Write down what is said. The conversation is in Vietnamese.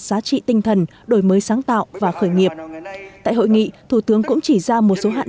giá trị tinh thần đổi mới sáng tạo và khởi nghiệp tại hội nghị thủ tướng cũng chỉ ra một số hạn